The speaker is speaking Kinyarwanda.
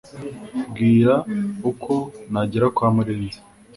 Mbwira uko nagera kwa murenzi